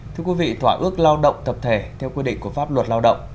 thưa quý vị thỏa ước lao động tập thể theo quy định của pháp luật lao động